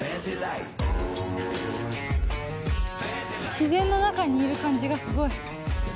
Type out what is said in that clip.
自然の中にいる感じがすごい。